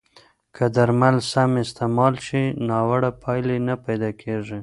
که درمل سم استعمال شي، ناوړه پایلې نه پیدا کېږي.